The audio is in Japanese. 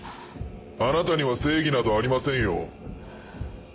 あなたには正義などありませんよ。